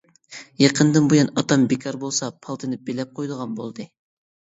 يېقىندىن بۇيان ئاتام بىكار بولسا پالتىنى بىلەپ قويىدىغان بولدى.